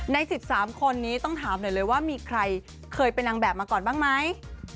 ใน๑๓คนนี้ต้องถามหน่อยเลยว่ามีใครเคยเป็นนางแบบมาก่อนบ้างไหม